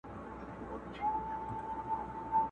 په عاشقي کي بې صبرې مزه کوینه٫